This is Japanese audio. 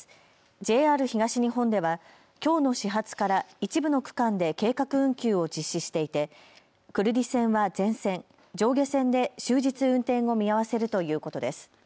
ＪＲ東日本ではきょうの始発から一部の区間で計画運休を実施していて久留里線は全線、上下線で終日運転を見合わせるということです。